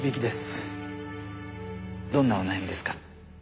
どんなお悩みですか？